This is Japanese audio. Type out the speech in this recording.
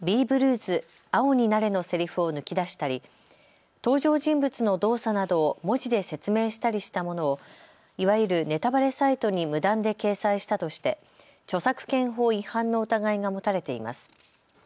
青になれのセリフを抜き出したり登場人物の動作などを文字で説明したりしたものをいわゆるネタバレサイトに無断で掲載したとして著作権法違反の疑いが持たれています。